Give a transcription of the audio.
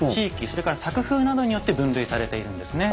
それから作風などによって分類されているんですね。